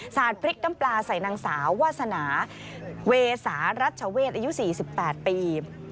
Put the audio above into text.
ดพริกน้ำปลาใส่นางสาววาสนาเวสารัชเวศอายุ๔๘ปี